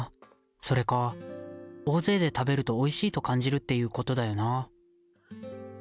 それか大勢で食べるとおいしいと感じるっていうことだよなあ。